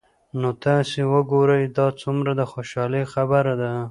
نو تاسي وګورئ دا څومره د خوشحالۍ خبره ده